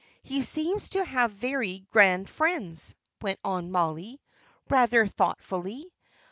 He seems to have very grand friends," went on Molly, rather thoughtfully.